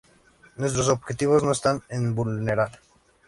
Nuestros objetivos no están en vulnerar